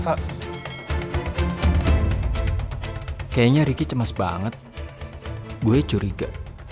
kayaknya ricky cemas banget gue curiga